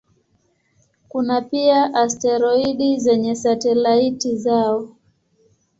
Kuna pia asteroidi zenye satelaiti zao.